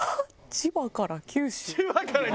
千葉から九州で？